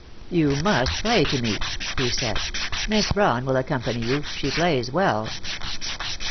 "You must play to me," he said. "Miss Brawn will accompany you; she plays well."